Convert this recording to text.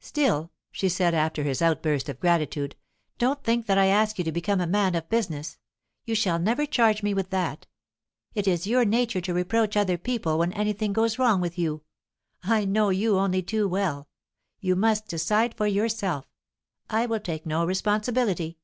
"Still," she said, after his outburst of gratitude, "don't think that I ask you to become a man of business. You shall never charge me with that. It is your nature to reproach other people when anything goes wrong with you; I know you only too well. You must decide for yourself; I will take no responsibility."